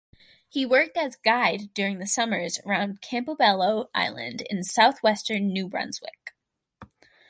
He worked as guide during the summers around Campobello Island in southwestern New Brunswick.